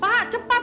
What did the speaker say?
pak cepat pak